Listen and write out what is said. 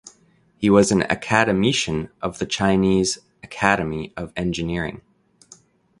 He was an academician of the Chinese Academy of Engineering.